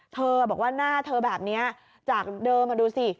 เธอบอกว่าหน้าเธอแบบนี้จากเดิมดูสิ